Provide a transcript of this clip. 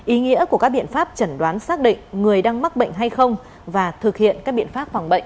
ý nghĩa của các biện pháp chẩn đoán xác định người đang mắc bệnh hay không và thực hiện các biện pháp phòng bệnh